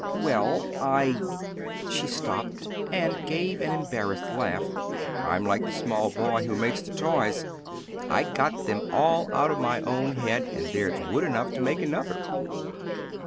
"Well, I " she stopped and gave an embarrassed laugh. "I'm like the small boy who made the toys. 'I got them all out of my own head, and there's wood enough to make another.'"